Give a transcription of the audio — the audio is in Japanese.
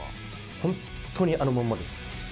本当にあのまんまです。